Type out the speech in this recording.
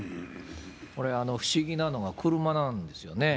これ、不思議なのは車なんですよね。